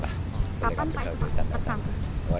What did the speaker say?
apa yang terjadi